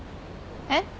えっ？